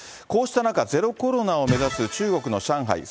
こうした中、ゼロコロナを目指す中国の上海。